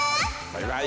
バイバイ。